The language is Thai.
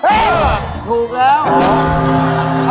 เฮ่ยถูกแล้ว